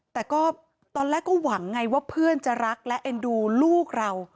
แต่ก็ตอนแรกก็หวังไงว่าเพื่อนจะรักและเอ็นดูลูกเรา